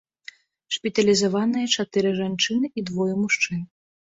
Шпіталізаваныя чатыры жанчыны і двое мужчын.